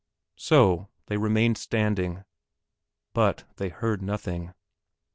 So they remained standing, but they heard nothing.